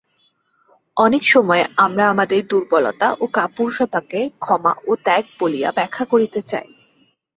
অনেক সময় আমরা আমাদের দুর্বলতা ও কাপুরুষতাকে ক্ষমা ও ত্যাগ বলিয়া ব্যাখ্যা করিতে চাই।